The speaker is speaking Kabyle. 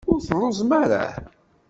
Ur telluẓem ara?